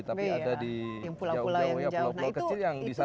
tapi ada di pulau pulau yang jauh